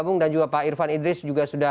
bergabung dan juga pak irfan idris juga sudah